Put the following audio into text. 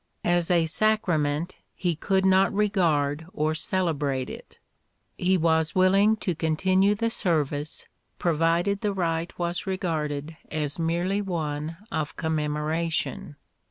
As a sacrament he could not regard or celebrate it ; he was willing to continue the service provided the rite was regarded as merely one of commemora tion.